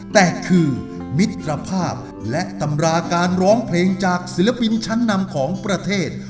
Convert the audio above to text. แต่คือมิตรภาพและตำราการร้องเพลงจากศิลปินชั้นนำของประเทศ